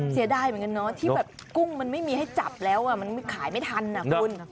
เสียดายเหมือนกันเนาะที่แบบกุ้งมันไม่มีให้จับแล้วมันขายไม่ทันนะคุณ